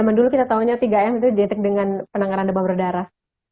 kan dulu kita tahunya tiga m itu dietrik dengan penangkaran demam berdarah